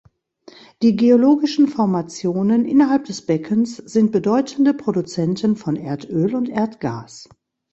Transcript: Die geologischen Formationen innerhalb des Beckens sind bedeutende Produzenten von Erdöl und Erdgas.